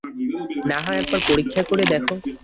না হয় একবার পরীক্ষা করে দেখো।